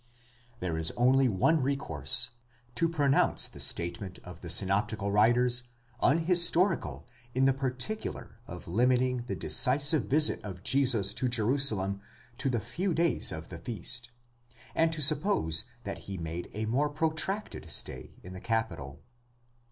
There is only one resource,—to pronounce the statement of the synoptical writers unhistorical in the particular of limiting the decisive visit of Jesus to Jerusalem to the few days of the feast, and to suppose that he made a more protracted stay in the capital.